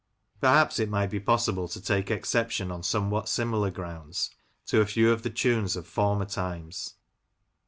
• Perhaps it might be possible to take exception on some what similar grounds to a few of the tunes of former times.